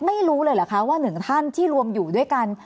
ไม่รู้เลยเหรอคะว่าหนึ่งท่านที่รวมอยู่ด้วยกัน